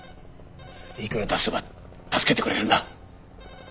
いくら出せば助けてくれるんだ？